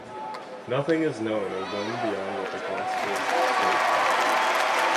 Nothing is known of them beyond what the Gospels state.